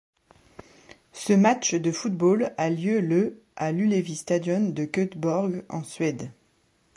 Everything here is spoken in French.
Ce match de football a lieu le à l'Ullevi Stadion de Göteborg, en Suède.